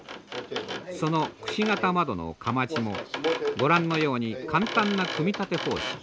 その形窓のかまちもご覧のように簡単な組み立て方式。